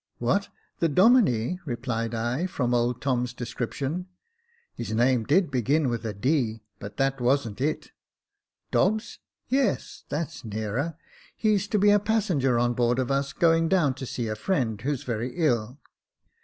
"What, the Domine?" replied I, from old Tom's description. " His name did begin with a D, but that wasn't it." " Dobbs ?"Yes, that's nearer ; he's to be a passenger on board of us, going down to see a friend who's very ill.